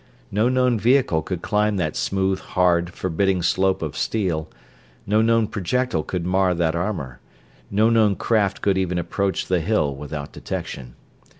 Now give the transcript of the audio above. No known vehicle could climb that smooth, hard, forbidding slope of steel; no known projectile could mar that armor; no known craft could even approach the Hill without detection.